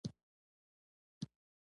غریب د ښېرازو خیالونه ویني